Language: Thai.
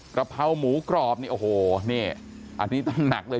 กระเพราหมูกรอบนี่โอ้โหนี่อันนี้ต้องหนักเลย